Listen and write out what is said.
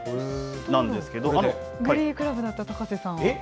グリークラブだった高瀬さん